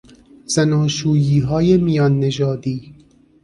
زناشوییهای میان نژادی